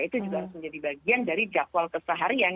itu juga harus menjadi bagian dari jadwal keseharian